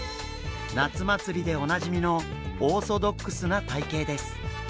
夏祭りでおなじみのオーソドックスな体形です。